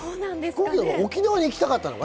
沖縄に行きたかったのかな？